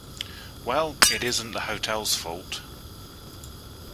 Well, it isn't the hotel's fault.